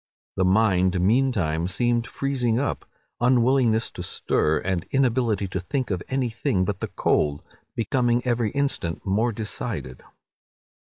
The mind, meantime, seemed freezing up; unwillingness to stir, and inability to think of any thing but the cold, becoming every instant more decided.